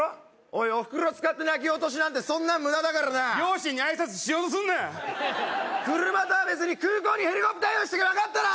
おいおふくろ使って泣き落としなんてそんなん無駄だからな両親に挨拶しようとすんな車とは別に空港にヘリコプター用意しとけ分かったな！